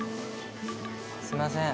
すいません。